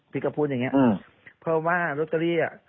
ก็พูดอย่างเงี้เพราะว่าลอตเตอรี่อ่ะ